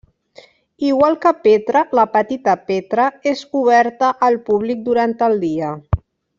Igual que Petra, la Petita Petra és oberta al públic durant el dia.